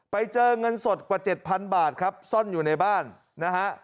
ไปเจอเงินสดกว่า๗๐๐บาทครับซ่อนอยู่ในบ้านนะฮะ